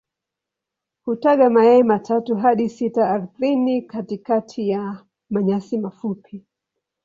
Hutaga mayai matatu hadi sita ardhini katikati ya manyasi mafupi.